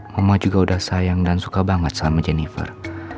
ngomong juga udah sayang dan suka banget sama jennifer